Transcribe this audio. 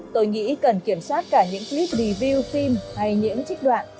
tôi nghĩ cần kiểm soát cả những clip review phim hay những trích đoạn